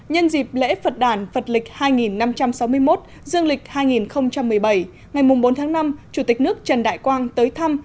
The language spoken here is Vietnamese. nhân dịp lễ phật đàn phật lịch hai năm trăm sáu mươi một dương lịch hai nghìn một mươi bảy ngày bốn tháng năm chủ tịch nước trần đại quang tới thăm